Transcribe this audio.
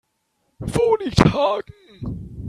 Wo liegt Hagen?